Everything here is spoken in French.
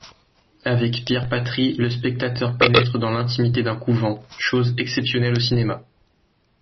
Avec Pierre Patry, le spectateur pénètre dans l'intimité d'un couvent, chose exceptionnelle au cinéma.